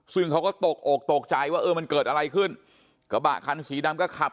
ซึ่งเขาก็ตกอกตกใจว่าเออมันเกิดอะไรขึ้นกระบะคันสีดำก็ขับ